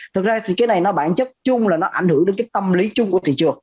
thực ra thì cái này nó bản chất chung là nó ảnh hưởng đến cái tâm lý chung của thị trường